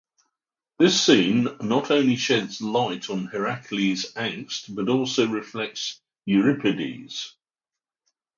This scene not only sheds light on Herakles' angst but also reflects Euripides'.